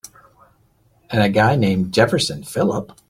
And a guy named Jefferson Phillip.